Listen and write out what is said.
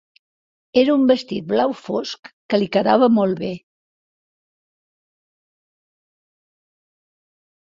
Era un vestit blau fosc que li quedava molt bé.